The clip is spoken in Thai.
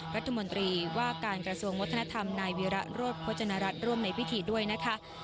รัฐมนตรีว่าการกระทรวงวัฒนธรรมนายวีระโรธโภจนรัฐร่วมในพิธีด้วยนะคะ